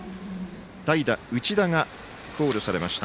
代打、内田がコールされました。